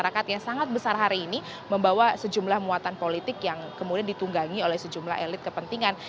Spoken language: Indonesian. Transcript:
jadi masyarakat yang sangat besar hari ini membawa sejumlah muatan politik yang kemudian ditunggangi oleh sejumlah elit kepentingan